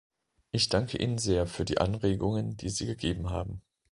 Ich danke Ihnen sehr für die Anregungen, die Sie gegeben haben.